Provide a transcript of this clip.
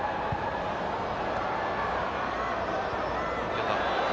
出た。